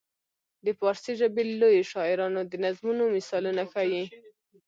د فارسي ژبې لویو شاعرانو د نظمونو مثالونه ښيي.